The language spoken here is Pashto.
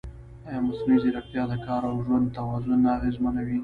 ایا مصنوعي ځیرکتیا د کار او ژوند توازن نه اغېزمنوي؟